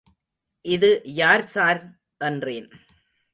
இது யார் சார்? என்றேன்.